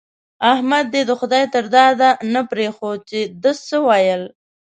احمد دې د خدای تر داده نه پرېښود چې ده څه ويل.